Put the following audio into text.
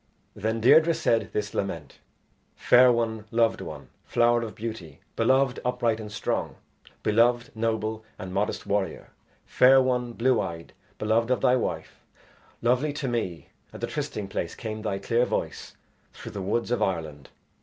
Then Deirdre said this lament: "Fair one, loved one, flower of beauty; beloved, upright, and strong; beloved, noble, and modest warrior. Fair one, blue eyed, beloved of thy wife; lovely to me at the trysting place came thy clear voice through the woods of Ireland.